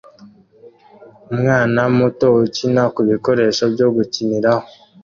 Umwana muto ukina kubikoresho byo gukiniraho